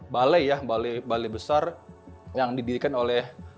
balai balai besar yang didirikan oleh